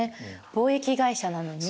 貿易会社なのに？